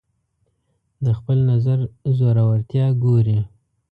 د خپل نظر زورورتیا ګوري